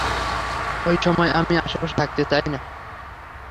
ওইসময় আমি আশেপাশে থাকতে চাই না।